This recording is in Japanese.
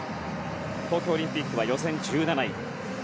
東京オリンピックは予選１７位。